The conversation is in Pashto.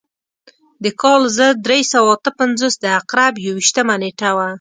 د کال زر درې سوه اته پنځوس د عقرب یو ویشتمه نېټه وه.